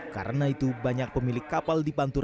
karena itu banyak pemilik kapal dipanturkan